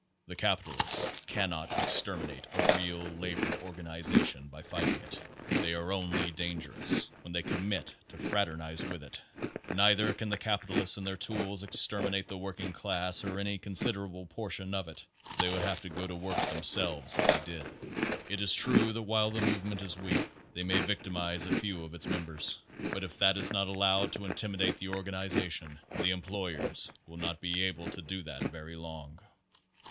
The capitalists cannot exterminate a real labor organization by fighting it they are only dangerous when they commence to fraternize with it. Neither can the capitalists and their tools extermin ate the working class or any considerable portion of it they would have to go to work themselves if they did. It is true that while the movement is weak they may victimize a few of its members, but if that is not al Paice Forty three lowed to intimidate the organizaton the employers will not be able to do that very long.